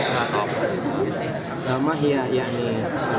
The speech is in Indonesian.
saya ingin memperbaiki lebih banyak